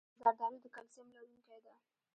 زردالو د کلسیم لرونکی ده.